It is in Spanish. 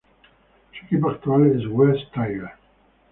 Su equipo actual es West Tigers.